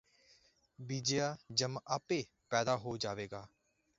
ਬਿਜਿਆਂ ਜਮ ਆਪੇ ਪੈਦਾ ਹੋ ਜਾਵੇਗਾ